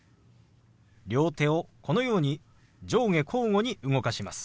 両手をこのように上下交互に動かします。